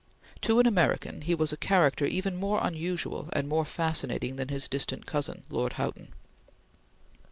To an American he was a character even more unusual and more fascinating than his distant cousin Lord Houghton.